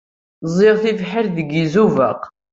Ẓẓiɣ tibḥirt deg Izubaq.